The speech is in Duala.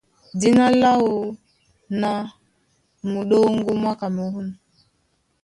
Dína láō ná Muɗóŋgó mwá Kamerûn.